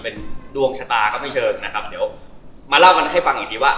เป็นดวงชะตาก็ไม่เชิงนะครับเดี๋ยวมาเล่ามันให้ฟังอีกทีว่า